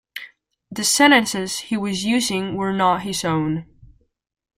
The sentences he was using were not his own.